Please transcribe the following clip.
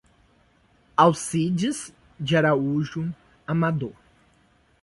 Alcides de Araújo Amador